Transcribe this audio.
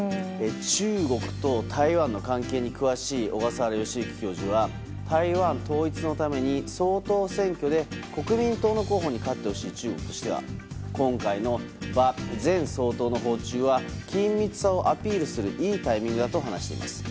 中国と台湾の関係に詳しい小笠原欣幸教授は台湾統一のために総統選挙で国民党の候補に勝ってほしい中国としては今回の馬前総統の訪中は緊密さをアピールするいいタイミングだと話しています。